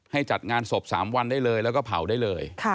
จัดงานศพ๓วันได้เลยแล้วก็เผาได้เลย